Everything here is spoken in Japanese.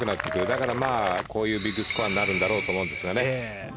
だからこういうビッグスコアになるんだろうと思うんですけどね。